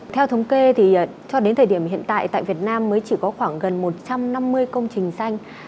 theo thống kê cho đến thời điểm hiện tại tại việt nam mới chỉ có khoảng gần một trăm năm mươi công trình xanh